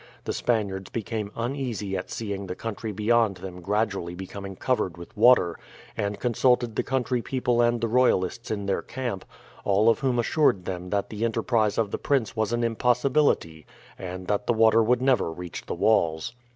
The Spaniards became uneasy at seeing the country beyond them gradually becoming covered with water, and consulted the country people and the royalists in their camp, all of whom assured them that the enterprise of the prince was an impossibility, and that the water would never reach the walls.